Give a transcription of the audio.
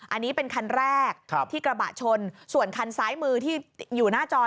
อันนี้เป็นคันแรกที่กระบะชนส่วนคันซ้ายมือที่อยู่หน้าจอ